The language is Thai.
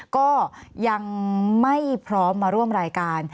ก็ยังไม่พร้อมมาร่วมรายการ